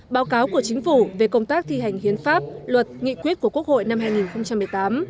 báo cáo của chính phủ về công tác thi hành hiến pháp luật nghị quyết của quốc hội năm hai nghìn một mươi tám